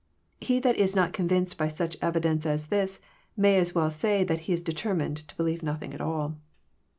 He that is not convinced by such evidence as this may as well say that he is determined to believe nothing at all.